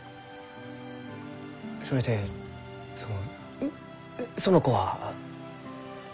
それでそのその子は？